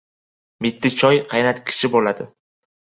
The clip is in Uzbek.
Mitti choy qaynatgichi bo‘ladi.